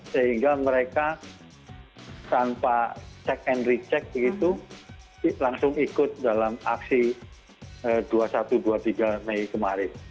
sehingga mereka tanpa check and recheck begitu langsung ikut dalam aksi dua puluh satu dua puluh tiga mei kemarin